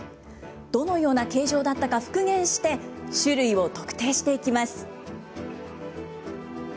どのような形状だったか復元して、種類を特定していきます。